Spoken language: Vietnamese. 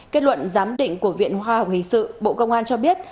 kết luận giám định của viện hoa học hình sự bộ công an cho biết